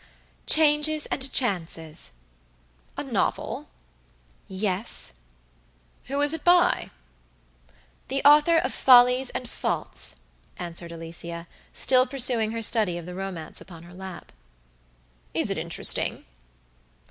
"Changes and Chances." "A novel?" "Yes." "Who is it by?" "The author of Follies and Faults," answered Alicia, still pursuing her study of the romance upon her lap. "Is it interesting?"